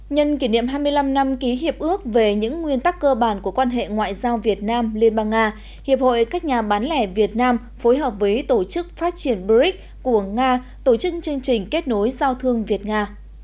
nhân kỷ niệm hai mươi năm năm ký hiệp ước về những nguyên tắc cơ bản của quan hệ ngoại giao việt nam liên bang nga hiệp hội các nhà bán lẻ việt nam phối hợp với tổ chức phát triển brics của nga tổ chức chương trình kết nối giao thương việt nga